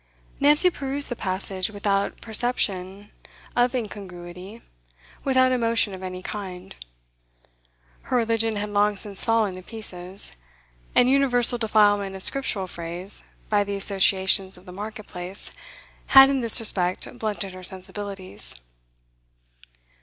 Nancy perused the passage without perception of incongruity, without emotion of any kind. Her religion had long since fallen to pieces, and universal defilement of Scriptural phrase by the associations of the market place had in this respect blunted her sensibilities.